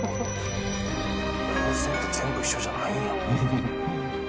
「風船って全部一緒じゃないんや」